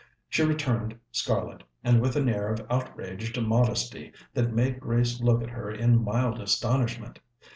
She returned scarlet, and with an air of outraged modesty that made Grace look at her in mild astonishment.